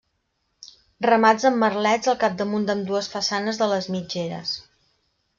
Remats amb merlets al capdamunt d'ambdues façanes de les mitgeres.